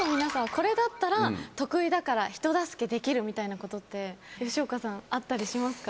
これだったら得意だから人助けできるみたいなことって吉岡さんあったりしますか？